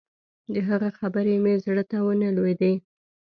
د هغه خبرې مې زړه ته نه لوېدې.